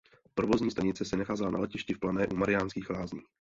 Provozní stanice se nacházela na letišti v Plané u Mariánských Lázní.